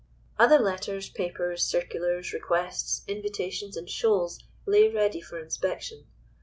Other letters, papers, circulars, requests, invitations in shoals lay ready for inspection.